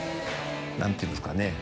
何て言うんですかね。